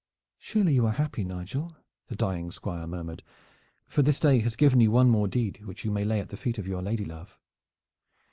"Surely you are happy, Nigel," the dying Squire murmured, "for this day has given you one more deed which you may lay at the feet of your lady love."